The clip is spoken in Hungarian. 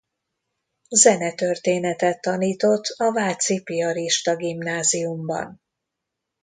Zenetörténetet tanított a Váci Piarista Gimnáziumban.